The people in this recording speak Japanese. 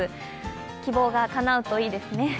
希望がかなうといいですね。